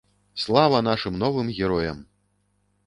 Слава нашым новым героям!